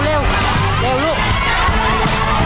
เร็วลูก